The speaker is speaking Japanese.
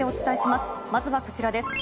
まずはこちらです。